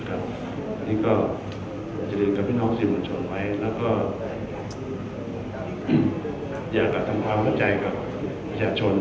อันนี้ก็อยากจะเรียนกับพี่น้องสื่อมวลชนไว้แล้วก็อยากจะทำความเข้าใจกับประชาชน